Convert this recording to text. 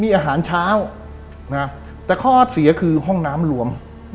มีอาหารเช้านะแต่ข้อเสียคือห้องน้ำรวม